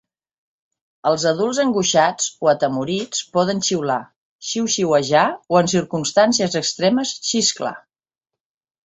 Els adults angoixats o atemorits poden xiular, xiuxiuejar, o en circumstàncies extremes, xisclar.